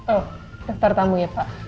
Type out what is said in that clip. oh daftar tamu ya pak